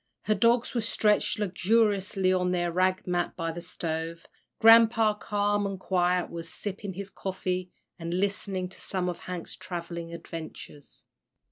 Her dogs were stretched luxuriously on their rag mat by the stove, Grampa, calm and quiet, was sipping his coffee, and listening to some of Hank's travelling adventures.